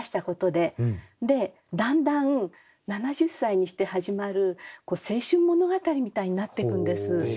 でだんだん７０歳にして始まる青春物語みたいになっていくんです。